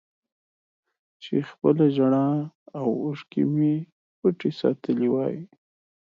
چې خپله ژړا او اوښکې مې پټې ساتلې وای